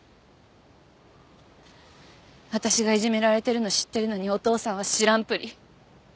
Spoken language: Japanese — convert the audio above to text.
私がいじめられてるの知ってるのにお父さんは知らんぷり。